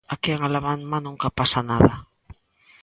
Aquí en Alabama nunca pasa nada.